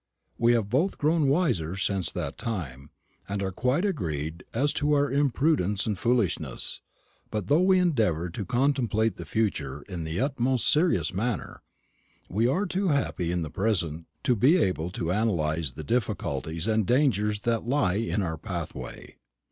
We have both grown wiser since that time, and are quite agreed as to our imprudence and foolishness; but, though we endeavour to contemplate the future in the most serious manner, we are too happy in the present to be able to analyse the difficulties and dangers that lie in our pathway.